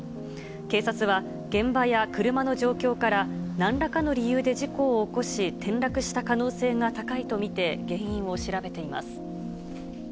警察は、現場や車の状況から、なんらかの理由で事故を起こし、転落した可能性が高いと見て、原因を調べています。